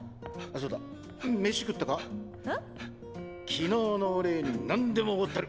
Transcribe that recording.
昨日のお礼に何でもおごったる！